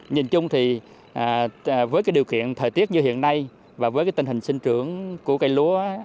nhìn chung với điều kiện thời tiết như hiện nay và tình hình sinh trưởng của cây lúa